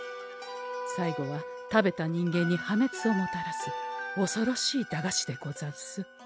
最後は食べた人間に破滅をもたらすおそろしい駄菓子でござんす。